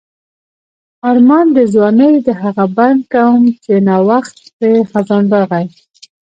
آرمان د ځوانۍ د هغه بڼ کوم چې نا وخت پرې خزان راغی.